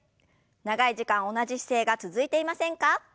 長い時間同じ姿勢が続いていませんか？